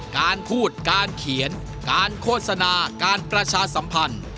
การพูดการเขียนการโฆษณาการประชาสัมพันธ์